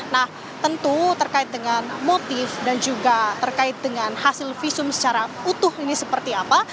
nah tentu terkait dengan motif dan juga terkait dengan hasil visum secara utuh ini seperti apa